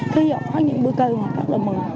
khi họ có những bữa cơm họ rất là mừng